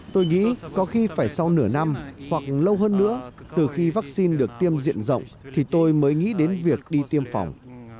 tôi nghĩ có khi phải sau nửa năm hoặc lâu hơn nữa từ khi vaccine được tiêm diện rộng thì tôi mới nghĩ đến việc đi tiêm phòng